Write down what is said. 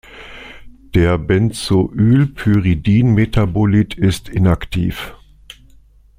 Der Benzoylpyridin-Metabolit ist inaktiv.